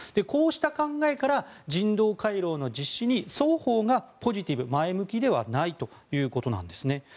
こうした考えから人道回廊の実施に双方がポジティブ、前向きではないということです。